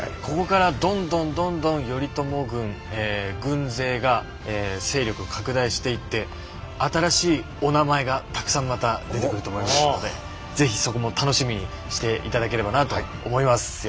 ここからどんどんどんどん頼朝軍え軍勢が勢力を拡大していって新しいおなまえがたくさんまた出てくると思いますので是非そこも楽しみにしていただければなと思います。